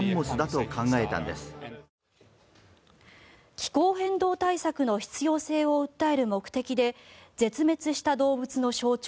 気候変動対策の必要性を訴える目的で絶滅した動物の象徴